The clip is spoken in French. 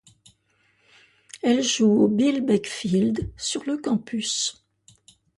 Elle joue au Bill Beck Field sur le campus.